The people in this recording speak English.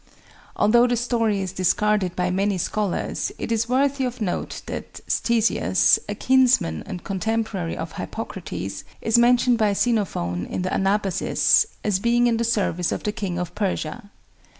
Although the story is discarded by many scholars, it is worthy of note that Ctesias, a kinsman and contemporary of Hippocrates, is mentioned by Xenophon in the "Anabasis" as being in the service of the King of Persia.